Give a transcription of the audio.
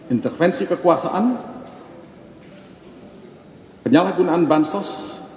intervensi kekuasaan penyalahgunaan bansos